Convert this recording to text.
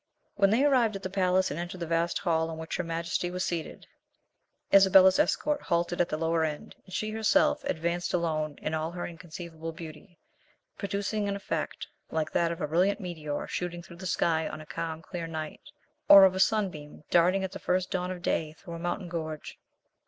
When they arrived at the palace, and entered the vast hall in which her majesty was seated, Isabella's escort halted at the lower end, and she herself advanced alone in all her inconceivable beauty, producing an effect like that of a brilliant meteor shooting through the sky on a calm clear night, or of a sunbeam darting at the first dawn of day through a mountain gorge.